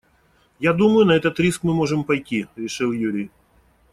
«Я думаю, на этот риск мы можем пойти», - решил Юрий.